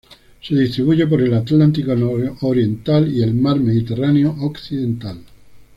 Se distribuye por el Atlántico nororiental y el mar Mediterráneo occidental.